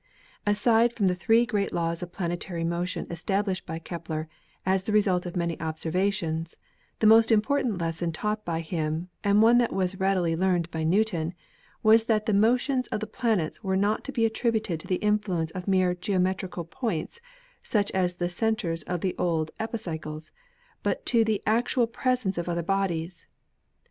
Aside from the three great laws of planetary motion established by Kepler as the result of many observations, the most important lesson taught by him, and one that was readily learned by Newton, was that the motions of the planets were not to be attributed to the influence of mere geometrical points, such as the centers of the old epicycles, but to the actual presence of other bodies.